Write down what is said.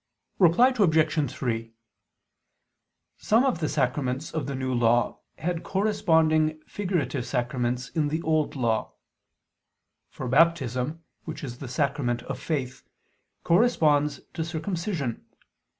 Reply Obj. 3: Some of the sacraments of the New Law had corresponding figurative sacraments in the Old Law. For Baptism, which is the sacrament of Faith, corresponds to circumcision.